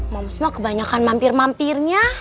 mams mah kebanyakan mampir mampirnya